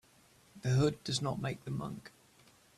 The hood does not make the monk.